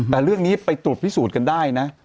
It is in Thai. แต่เรื่องนี้ไปตรวจพิสูจน์กันได้นะ